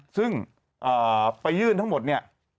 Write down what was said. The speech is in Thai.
ซึ่งไปยื่นทั้งหมดเนี่ย